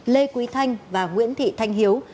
lê quý thanh và nguyễn thị thanh hiếu